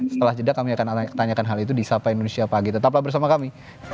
setelah jeda kami akan tanyakan hal itu di sapa indonesia pagi tetaplah bersama kami